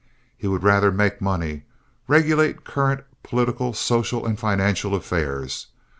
He would rather make money, regulate current political, social and financial affairs.